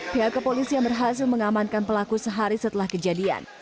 pihak kepolisian berhasil mengamankan pelaku sehari setelah kejadian